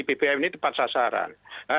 bbm ini tepat sasaran